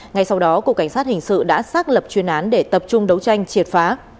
ngay sau đó cục cảnh sát hình sự đã xác lập chuyên án để tập trung đấu tranh triệt phá